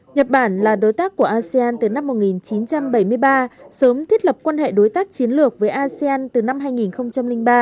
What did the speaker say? nhật bản là đối tác của asean từ năm một nghìn chín trăm bảy mươi ba sớm thiết lập quan hệ đối tác chiến lược với asean từ năm hai nghìn ba